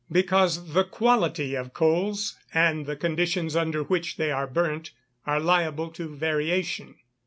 _ Because the quality of coals, and the conditions under which they are burnt, are liable to variation.